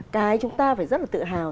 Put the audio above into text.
cái chúng ta phải rất là tự hào